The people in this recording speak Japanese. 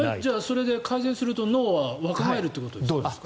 それで改善すると脳は若返るということですか？